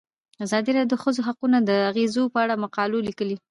ازادي راډیو د د ښځو حقونه د اغیزو په اړه مقالو لیکلي.